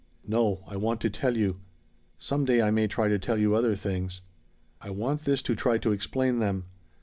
"No, I want to tell you. Some day I may try to tell you other things. I want this to try to explain them.